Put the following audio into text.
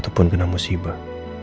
ataupun kena musibah